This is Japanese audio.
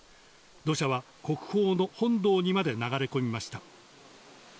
土砂は国宝の本堂にまで流れ込みました。